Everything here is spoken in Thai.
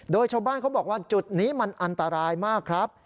โดยชาวบ้านเขาบอกว่าจุดนี้มันอันตรายมากครับ